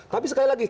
tapi sekali lagi